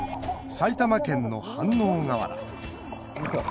埼玉県の飯能河原。